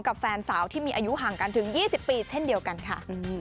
แฟนสาวที่มีอายุห่างกันถึง๒๐ปีเช่นเดียวกันค่ะ